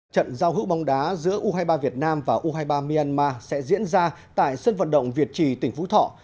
trận giao hữu bóng đá giữa u hai mươi ba việt nam và u hai mươi ba myanmar sẽ diễn ra tại sân vận động việt trì tỉnh phú thọ